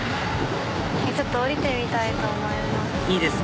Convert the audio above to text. ちょっと降りてみたいと思います。